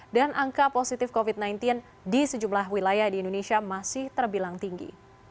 dan angka positif covid sembilan belas di sejumlah wilayah di indonesia masih terbilang tinggi